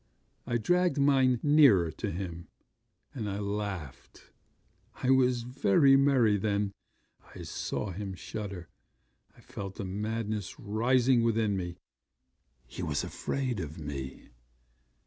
I dragged mine nearer to him; and I laughed I was very merry then I saw him shudder. I felt the madness rising within me. He was afraid of me.